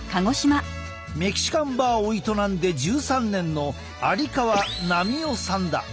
メキシカンバーを営んで１３年の有川奈美男さんだ。